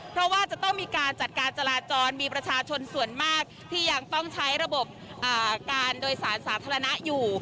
เพราะว่าจะต้องมีการจัดการจราจรมีประชาชนส่วนมากที่ยังต้องใช้ระบบการโดยสารสาธารณะอยู่